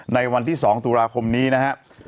ในวันที่๒ตุลาคมนี้นะครับ